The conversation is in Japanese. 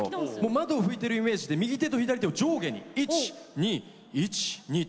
窓を拭いてるイメージで右手と左手を上下に１２１２と。